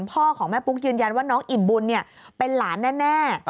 พ่อของแม่ปุ๊กยืนยันว่าน้องอิ่มบุญเป็นหลานแน่